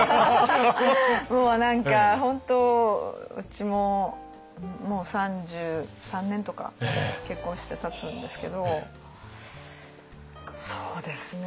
もう何か本当うちももう３３年とか結婚してたつんですけどそうですね